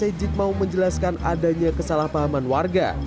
mereka wajib mau menjelaskan adanya kesalahpahaman warga